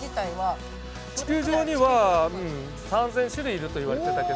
地球上には３，０００種類いるといわれてたけど。